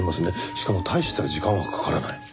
しかも大した時間はかからない。